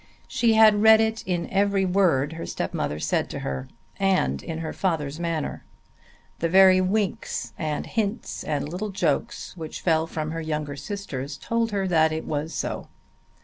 She had read it in every word her stepmother said to her and in her father's manner. The very winks and hints and little jokes which fell from her younger sisters told her that it was so.